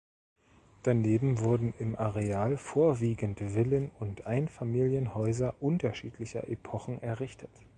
Daneben wurden im Areal vorwiegend Villen und Einfamilienhäuser unterschiedlicher Epochen errichtet.